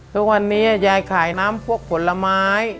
ทุกวันนี้ยายขายน้ำพวกผลไม้